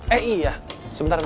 eh iya sebentar